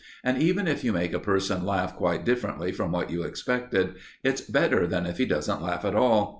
And even if you make a person laugh quite differently from what you expected, it's better than if he doesn't laugh at all.